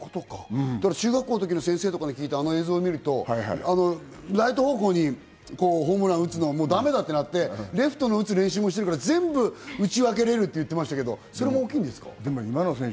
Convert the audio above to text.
中学校の時の先生とかの話を見ると、ライト方向にホームランを打つのはだめだってなって、レフトに打つ練習もしてるから全部打ち分けられるって言ってましたけど、それも大きいですか？